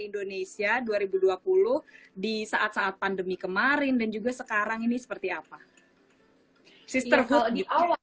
indonesia dua ribu dua puluh di saat saat pandemi kemarin dan juga sekarang ini seperti apa sister hood gitu